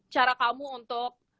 cara kamu untuk